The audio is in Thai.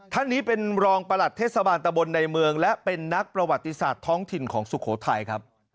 ท่านนี้เป็นรองประหลัดเทศบาลตะบนในเมืองและเป็นนักประวัติศาสตร์ท้องถิ่นของสุโขทัยครับ